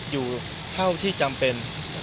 อยู่เท่าที่จำเป็น